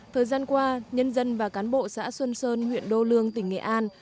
thời gian qua nhân dân và cán bộ xã xuân sơn huyện đô lương tỉnh nghệ an